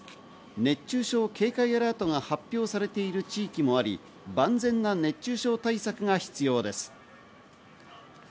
熱中症警戒アラートが発表されている地域もあり、万全な熱中症対策が必要です。